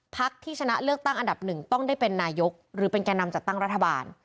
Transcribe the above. ที่ชนะเลือกตั้งอันดับหนึ่งต้องได้เป็นนายกหรือเป็นแก่นำจัดตั้งรัฐบาล